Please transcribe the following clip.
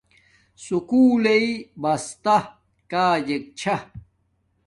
سکُول لیݵ بستا کاجک چھا